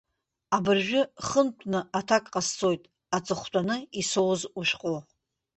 Абыржәы хынтәны аҭак ҟасҵоит аҵыхәтәаны исоуз ушәҟәы.